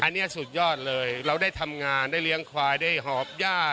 อันนี้สุดยอดเลยเราได้ทำงานได้เลี้ยงควายได้หอบย่า